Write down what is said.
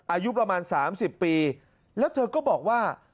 อายุประมาณ๓๐ปีแล้วเธอก็บอกว่า